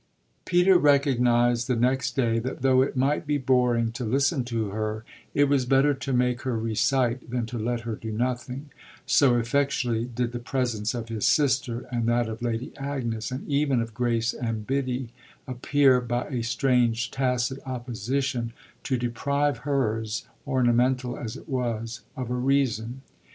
Peter recognised the next day that though it might be boring to listen to her it was better to make her recite than to let her do nothing, so effectually did the presence of his sister and that of Lady Agnes, and even of Grace and Biddy, appear, by a strange tacit opposition, to deprive hers, ornamental as it was, of a reason.